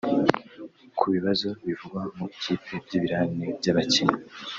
Ku bibazo bivugwa mu ikipe by’ibirarane by’abakinnyi